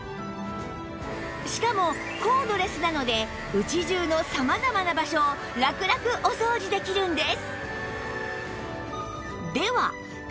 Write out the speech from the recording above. しかもコードレスなので家中の様々な場所をラクラクお掃除できるんです！